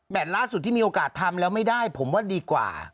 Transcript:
ล่าสุดที่มีโอกาสทำแล้วไม่ได้ผมว่าดีกว่า